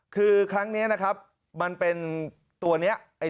คือครั้งนี้นะครับมันเป็นตัวนี้